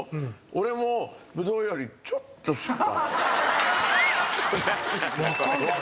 俺もブドウよりちょっとすっぱい。